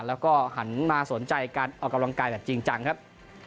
แล้วก็หันมาสนใจการออกกำลังกายแบบจริงจังครับ